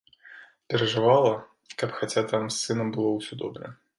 Перажывала, каб хаця там з сынам было ўсё добра.